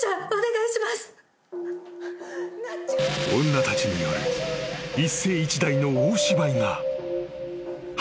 ［女たちによる一世一代の大芝居が始まった］